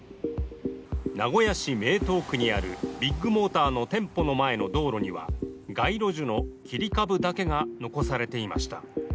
名古屋市名東区にあるビッグモーターの店舗の前の道路には街路樹の切り株だけが残されていました。